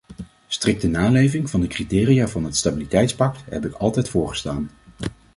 Strikte naleving van de criteria van het stabiliteitspact heb ik altijd voorgestaan.